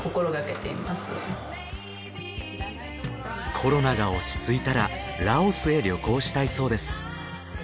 コロナが落ち着いたらラオスへ旅行したいそうです